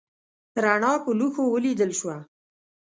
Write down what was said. رڼا په لوښو ولیدل شوه.